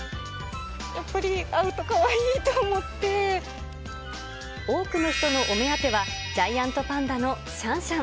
やっぱり会うとかわいいと思多くの人のお目当ては、ジャイアントパンダのシャンシャン。